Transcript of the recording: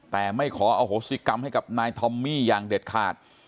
แต่ไม่ขออโหสิกรรมให้กับนายทอมมี่อย่างเด็ดขาด